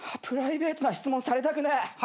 プライベートな質問されたくねえ。